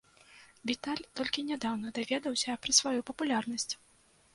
Віталь толькі нядаўна даведаўся пра сваю папулярнасць.